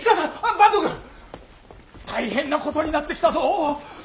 坂東くん！大変なことになってきたぞ。